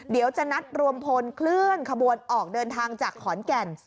เดี๋ยวจะนัดรวมพลเคลื่อนขบวนออกเดินทางจากขอนแก่น